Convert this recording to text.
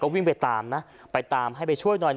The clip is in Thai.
ก็วิ่งไปตามให้ไปช่วยหน่อย